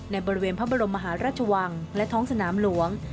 ในบริเวณพระบรมมหาราชวังและท้องสนามหลวง